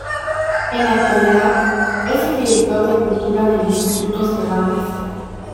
En la actualidad, es el Director de Cultura del Instituto Cervantes.